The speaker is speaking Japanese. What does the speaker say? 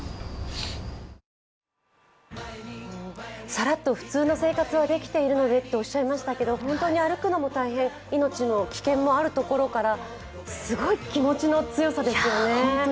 さらっと普通の生活はできているのでとおっしゃいましたけど、本当に歩くのも大変、命の危険もあるところからすごい気持ちの強さですよね。